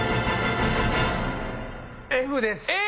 Ｆです。